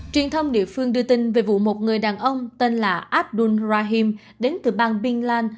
truyền thông địa phương đưa tin về vụ một người đàn ông tên là abdul rahim đến từ bang bin lan